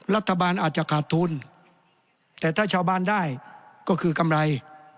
รัฐบาลอาจจะขาดทุนแต่ถ้าชาวบ้านได้ก็คือกำไร